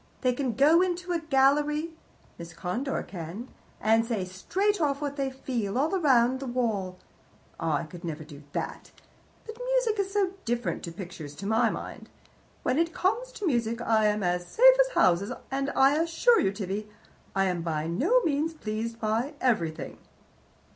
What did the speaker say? They can go into a picture gallery Miss Conder can and say straight off what they feel, all round the wall. I never could do that. But music is so different to pictures, to my mind. When it comes to music I am as safe as houses, and I assure you, Tibby, I am by no means pleased by everything.